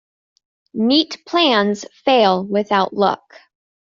Neat plans fail without luck.